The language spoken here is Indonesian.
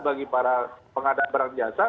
bagi para pengadaan barang jasa